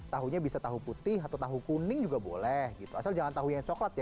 tahunya bisa tahu putih atau tahu kuning juga boleh gitu asal jangan tahu yang coklat ya